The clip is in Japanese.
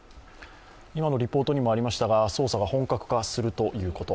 今のリポートにもありましたが、捜査が本格化するということ。